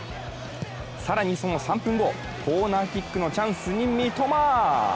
更に、その３分後、コーナーキックのチャンスに三笘。